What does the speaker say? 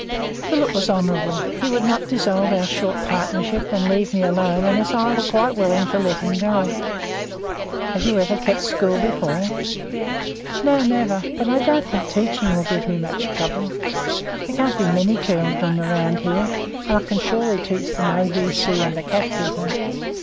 Philip was honourable; he would not dissolve our short partnership, and leave me alone unless I was quite willing to let him go. "Have you ever kept school before?" "No, never. But I don't think the teaching will give me much trouble. There can't be many children around here, and I can surely teach them A B C and the Catechism."